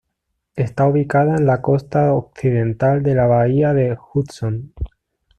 Está ubicada en la costa occidental de la bahía de Hudson.